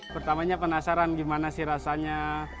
pertamanya penasaran gimana sih rasanya